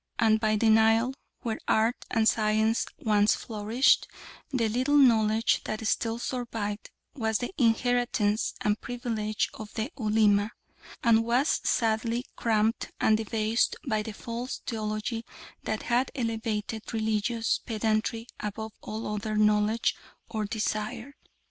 And by the Nile, where art and science once flourished, the little knowledge that still survived was the inheritance and privilege of the Ulema, and was sadly cramped and debased by the false theology that had elevated religious pedantry above all other knowledge or desire.